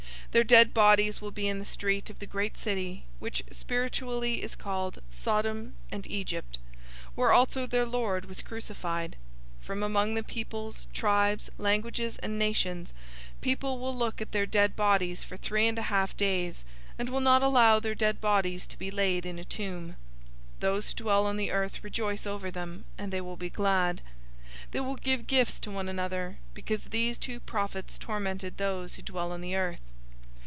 011:008 Their dead bodies will be in the street of the great city, which spiritually is called Sodom and Egypt, where also their Lord was crucified. 011:009 From among the peoples, tribes, languages, and nations people will look at their dead bodies for three and a half days, and will not allow their dead bodies to be laid in a tomb. 011:010 Those who dwell on the earth rejoice over them, and they will be glad. They will give gifts to one another, because these two prophets tormented those who dwell on the earth.